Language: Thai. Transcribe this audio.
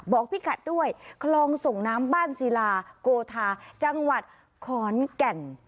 พี่กัดด้วยคลองส่งน้ำบ้านศิลาโกธาจังหวัดขอนแก่น